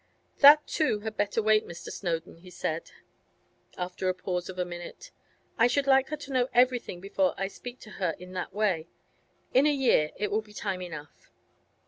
'That, too, had better wait, Mr. Snowdon,' he said, after a pause of a minute. 'I should like her to know everything before I speak to her in that way. In a year it will be time enough.